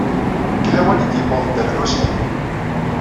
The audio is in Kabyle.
Deg lawan i d-yewweḍ Dda Lḥusin?